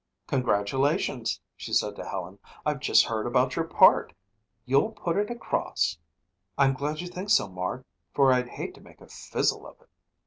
"Congratulations," she said to Helen. "I've just heard about your part. You'll put it across." "I'm glad you think so, Marg, for I'd hate to make a fizzle of it."